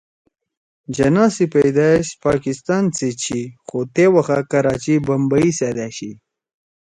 جناح سی پیدائش پاکستان سی چھی خُو تے وَخا کراچی بمبئ سیت أشی